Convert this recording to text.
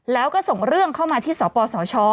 แล้วก็ส่งเรื่องเข้ามาที่สปสช